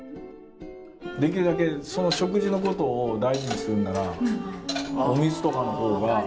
できるだけその食事のことを大事にするんならお水とかの方が。